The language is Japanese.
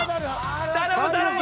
頼む頼む！